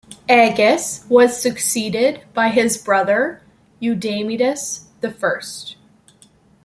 Agis was succeeded by his brother Eudamidas the First.